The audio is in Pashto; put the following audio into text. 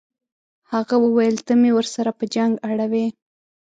هغه وویل ته مې ورسره په جنګ اړوې.